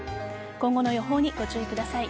今後の予報にご注意ください。